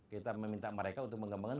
kita meminta mereka untuk mengembangkan